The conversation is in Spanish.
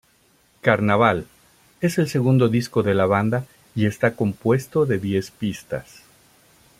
Carnaval es el segundo disco de la banda y está compuesto de diez pistas.